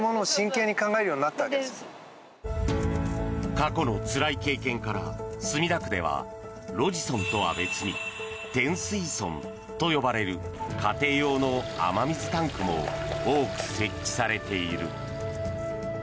過去のつらい経験から墨田区では、路地尊とは別に天水尊と呼ばれる家庭用の雨水タンクも多く設置されている。